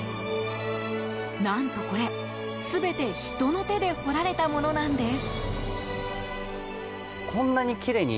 何とこれ、全て人の手で彫られたものなんです。